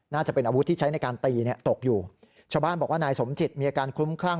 น่าจะเป็นอาวุธที่ใช้ในการตีเนี่ยตกอยู่ชาวบ้านบอกว่านายสมจิตมีอาการคลุ้มคลั่ง